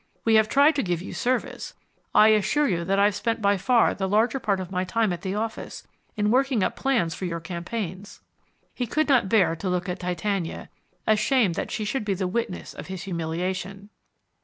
"We have tried to give you service. I assure you that I've spent by far the larger part of my time at the office in working up plans for your campaigns." He could not bear to look at Titania, ashamed that she should be the witness of his humiliation.